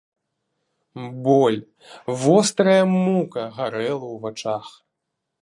Боль, вострая мука гарэла ў вачах.